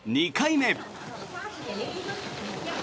２回目。